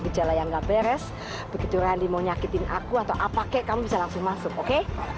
gejala yang gak beres begitu randi mo nikikin aku atau apa kayak kamu bisa langsung masuk oke kenang aja beres